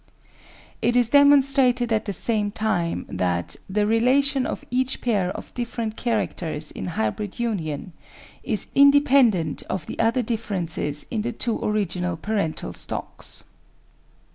It is demonstrated at the same time that the relation of each pair of different characters in hybrid union is inde pendent of the other differences in the two original parental stocks.